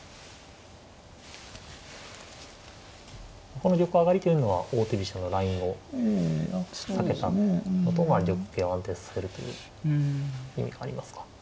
この玉上がりというのは王手飛車のラインを避けたことも玉形を安定させるという意味がありますか。